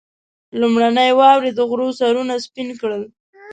لومړنۍ واورې د غرو سرونه سپين کړل.